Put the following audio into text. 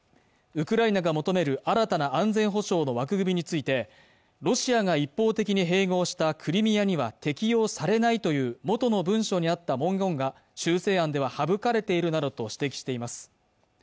ウクライナが求める新たな安全保障の枠組みについてロシアが一方的に併合したクリミアには適用されないという元の文書にあった文言が修正案では省かれているなどと指摘しています